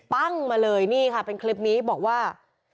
ปั้งมาเลยนี่ค่ะเป็นคลิปนี้บอกว่า